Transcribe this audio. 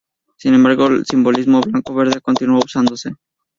Sin embargo, el simbolismo blanco-verde continuó usándose.